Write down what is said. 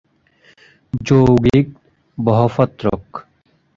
যৌগিক, বহপত্রক।